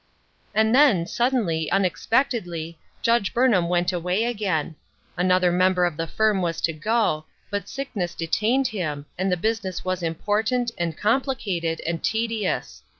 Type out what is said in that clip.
And then, suddenly, unexpectedly, Judge Burn ham went away again. Another member of the firm was to go, but sickness detained him, and the business was important, and complicated, and tedious.